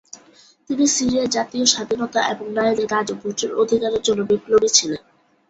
তিনি সিরিয়ায় জাতীয় স্বাধীনতা এবং নারীদের কাজ ও ভোটের অধিকারের জন্য বিপ্লবী ছিলেন।